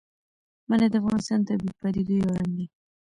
منی د افغانستان د طبیعي پدیدو یو رنګ دی.